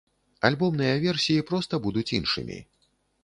Альбомныя версіі проста будуць іншымі.